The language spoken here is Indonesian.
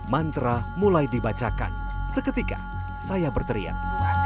mantra mulai dibacakan seketika saya berteriak